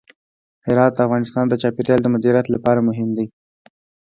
هرات د افغانستان د چاپیریال د مدیریت لپاره مهم دي.